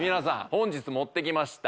本日持ってきました